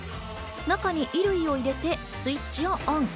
中に衣類を入れてスイッチをＯＮ。